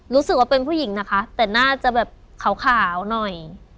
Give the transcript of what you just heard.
รู้สึกว่าเป็นผู้หญิงนะคะแต่น่าจะแบบขาวหน่อย